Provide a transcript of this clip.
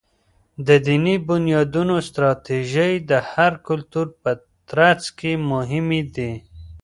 د دینی بنیادونو ستراتیژۍ د هر کلتور په ترڅ کي مهمي دي.